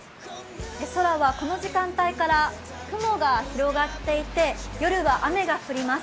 空はこの時間帯から雲が広がっていて夜は雨が降ります。